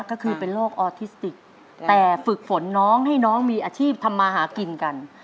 ก็คือเป็นโรคออทิสติกแต่ฝึกฝนน้องให้น้องมีอาชีพทำมาหากินกัน